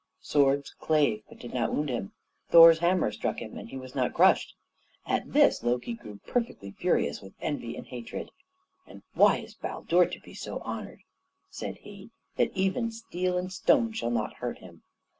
Swords clave, but did not wound him; Thor's hammer struck him, and he was not crushed. At this Loki grew perfectly furious with envy and hatred. "And why is Baldur to be so honored," said he "that even steel and stone shall not hurt him?"